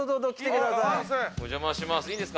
お邪魔します。